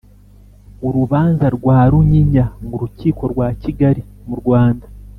Urubanza rwa Runyinya m'urukiko rwa Kigali mu Rwanda.